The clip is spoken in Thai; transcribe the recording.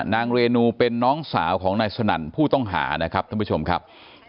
นางเรนูเป็นน้องสาวของนายสนั่นผู้ต้องหานะครับท่านผู้ชมครับ